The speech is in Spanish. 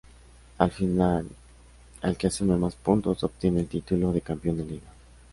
Al final, el que sume más puntos, obtiene el título de campeón de liga.